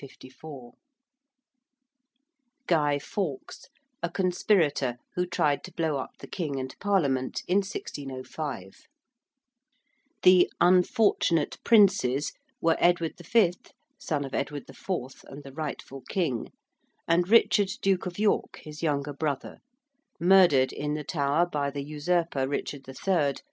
~Guy Fawkes~: a conspirator who tried to blow up the King and Parliament in 1605. ~The unfortunate princes~ were Edward V., son of Edward IV., and the rightful king, and Richard Duke of York, his younger brother, murdered in the Tower by the usurper Richard III.